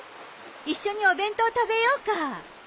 一緒にお弁当食べようか？